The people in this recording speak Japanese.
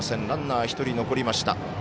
ランナー、１人残りました。